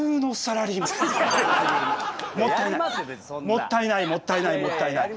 もったいないもったいないもったいない。